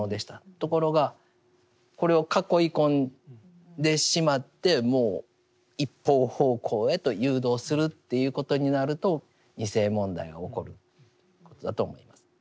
ところがこれを囲い込んでしまってもう一方方向へと誘導するということになると２世問題が起こることだと思います。